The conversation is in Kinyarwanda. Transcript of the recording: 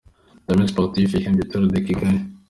Les Amis Sportifs yihembye Tour de Kigali .